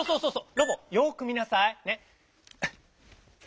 ロボよく見なさい。ね。